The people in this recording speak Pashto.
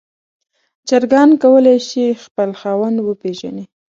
چرګان کولی شي خپل خاوند وپیژني.